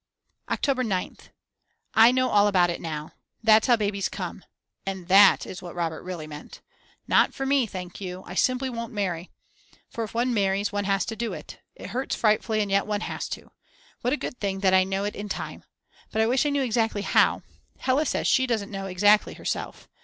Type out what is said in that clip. October 9th. I know all about it now. .. That's how babies come. And that is what Robert really meant. Not for me, thank you, I simply won't marry. For if one marries one has to do it; it hurts frightfully and yet one has to. What a good thing that I know it in time. But I wish I knew exactly how, Hella says she doesn't know exactly herself.